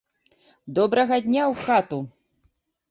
Добрага дня ў хату!